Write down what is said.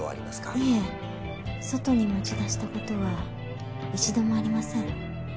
いえ外に持ち出したことは一度もありません